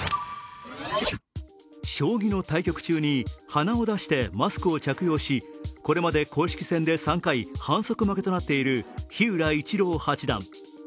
将棋の対局中に鼻を出してマスクを着用しこれまで公式戦で３回反則負けとなっている日浦市郎八段。